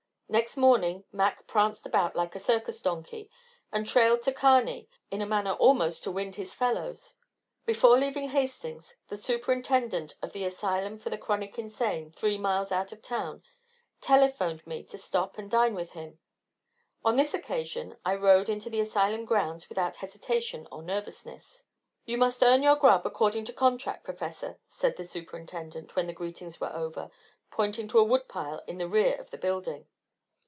Next morning, Mac pranced about like a circus donkey, and trailed to Kearney in a manner almost to wind his fellows. Before leaving Hastings, the Superintendent of the Asylum for the Chronic Insane, three miles out of town, telephoned me to stop and dine with him. On this occasion I rode into the asylum grounds without hesitation or nervousness. "You must earn your grub, according to contract, Professor," said the Superintendent, when the greetings were over, pointing to a wood pile in the rear of the building.